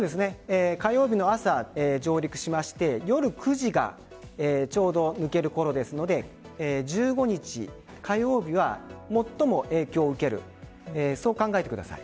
火曜日の朝、上陸しまして夜９時がちょうど抜けるころですので１５日火曜日は最も影響を受けるそう考えてください。